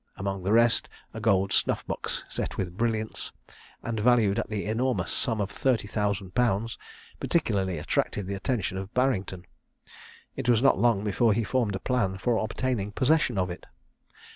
Among the rest, a gold snuff box, set with brilliants, and valued at the enormous sum of thirty thousand pounds, particularly attracted the attention of Barrington. It was not long before he formed a plan for obtaining possession of it.